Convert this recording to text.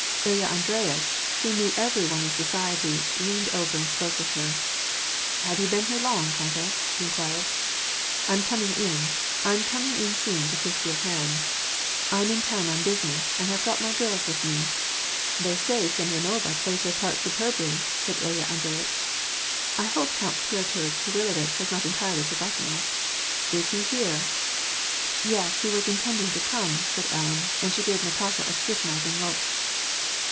Ilya Andreyitch, who knew every one in society, leaned over and spoke with her. '' Have you been here long, countess ?" he inquired. " I'm coming in, I'm coming in soon to kiss your hand. I'm in town on business, and have got my girls with me. They say Semyonova plays her part superbly," said Ilya Andreyitch. " I hope Count Piotr Kirillovitch has not entirely forgotten us. Is he here ?"'' Yes, he was intending to come," said Ellen, and she gave Natasha a scrutinizing look.